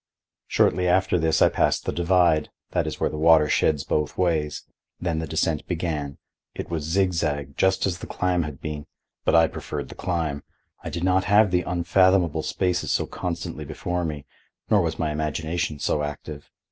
Shortly after this I passed the divide—that is where the water sheds both ways—then the descent began. It was zigzag, just as the climb had been, but I preferred the climb. I did not have the unfathomable spaces so constantly before me, nor was my imagination so active.